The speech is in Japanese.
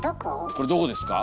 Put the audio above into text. これどこですか？